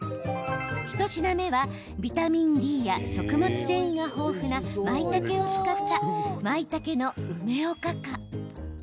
１品目はビタミンＤや食物繊維が豊富なまいたけを使ったまいたけの梅おかか。